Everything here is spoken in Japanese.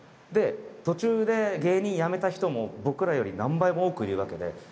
で途中で芸人辞めた人も僕らより何倍も多くいるわけで。